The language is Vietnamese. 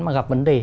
mà gặp vấn đề